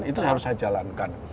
itu harus saya jalankan